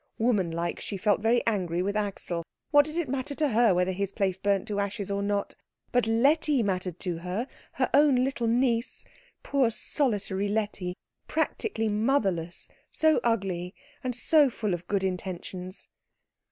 Woman like, she felt very angry with Axel. What did it matter to her whether his place burnt to ashes or not? But Letty mattered to her, her own little niece, poor solitary Letty, practically motherless, so ugly, and so full of good intentions.